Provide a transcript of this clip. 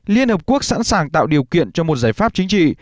liên hợp quốc sẵn sàng tạo điều kiện cho một giải pháp chính trị